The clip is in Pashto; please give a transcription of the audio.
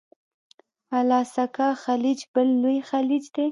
الاسکا خلیج بل لوی خلیج دی.